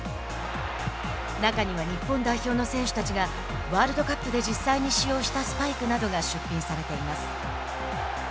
中には、日本代表の選手たちがワールドカップで実際に使用したスパイクなどが出品されています。